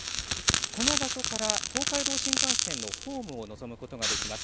この場所から東海道新幹線のホームを望むことができます。